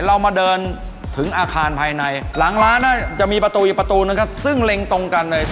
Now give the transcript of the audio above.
เรามาเดินถึงอาคารภายในหลังร้านน่าจะมีประตูอีกประตูนึงครับซึ่งเล็งตรงกันเลย